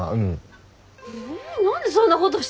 え何でそんなことしたの？